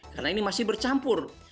karena ini masih bercampur